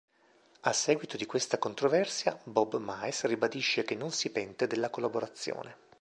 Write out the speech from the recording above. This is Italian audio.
A seguito di questa controversia, Bob Maes ribadisce che non si pente della collaborazione.